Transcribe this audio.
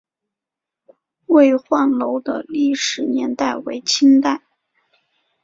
巍焕楼的历史年代为清代。